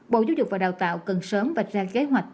bộ giáo dục và đào tạo cần sớm vạch ra kế hoạch